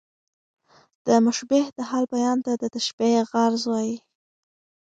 د مشبه د حال بیان ته د تشبېه غرض وايي.